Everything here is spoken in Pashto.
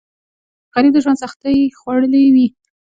غریب د ژوند سختۍ خوړلي وي